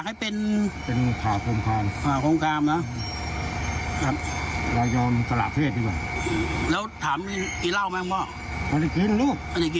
กินอยู่